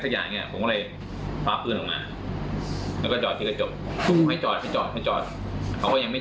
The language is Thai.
ตรงนั้นคือเราก็จะผิด